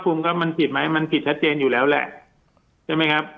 ภูมิก็มันผิดไหมมันผิดชัดเจนอยู่แล้วแหละใช่ไหมครับ